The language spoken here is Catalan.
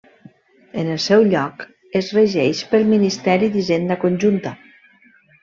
En el seu lloc, es regeix pel Ministeri d'Hisenda conjunta.